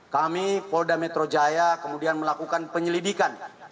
kami polda metro jaya kemudian melakukan penyelidikan